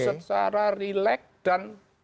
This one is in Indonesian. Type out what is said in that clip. secara rilek dan